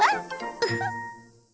ウフッ。